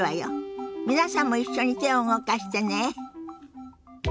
皆さんも一緒に手を動かしてね。